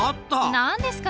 何ですか？